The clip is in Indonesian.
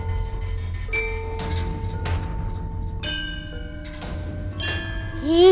bagaimana kalau sama dia dia sih